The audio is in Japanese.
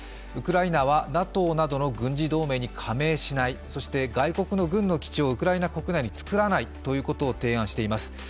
ウクライナはＮＡＴＯなどの軍事同盟に加盟しないそして外国の軍の基地をウクライナ国内に作らないということを提案しています。